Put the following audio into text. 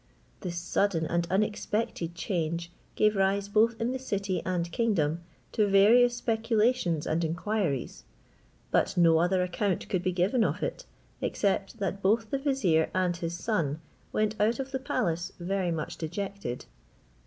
This sudden and unexpected change gave rise both in the city and kingdom to various speculations and inquiries; but no other account could be given of it, except that both the vizier and his son went out of the palace very much dejected.